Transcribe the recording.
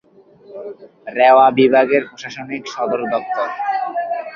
রেওয়া বিভাগের প্রশাসনিক সদর দফতর।